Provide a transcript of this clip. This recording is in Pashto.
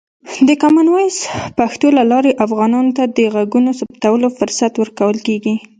د کامن وایس پښتو له لارې، افغانانو ته د غږونو ثبتولو فرصت ورکول کېږي.